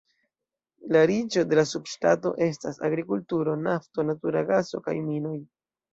La riĉo de la subŝtato estas agrikulturo, nafto, natura gaso kaj minoj.